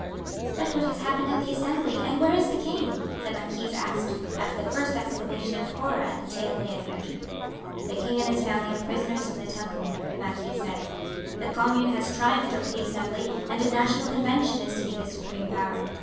"But what has happened at the Assembly and where is the king?" the marquise asked, after the first exclamation of horror at the tale they had heard. "The king and his family are prisoners in the Temple," the marquis said. "The Commune has triumphed over the Assembly and a National Convention is to be the supreme power.